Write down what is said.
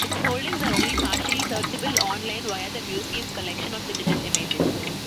Its holdings are only partially searchable online via the museum's collection of digital images.